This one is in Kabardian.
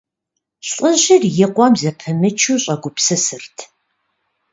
ЛӀыжьыр и къуэм зэпымычу щӀэгупсысырт.